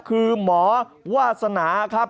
คือหมอวาสนารศาสตร์ครับ